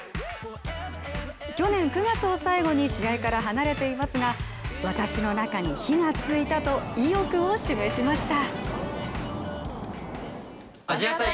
去年９月を最後に試合から離れていますが私の中に火がついたと意欲を示しました。